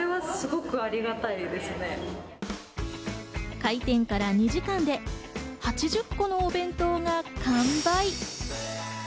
開店から２時間で８０個のお弁当が完売。